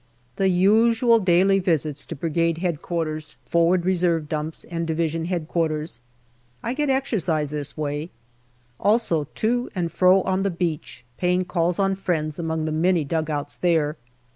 The usual daily visits to Brigade H.Q. forward reserve dumps and D.H.Q. I get exercise this way. Also to and fro on the beach, paying calls on friends among the many dugouts there.